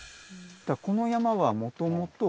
この山はもともと。